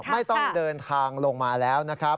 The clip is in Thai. ไม่ต้องเดินทางลงมาแล้วนะครับ